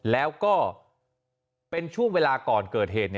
แล้วก็เป็นช่วงเวลาก่อนเกิดเหตุ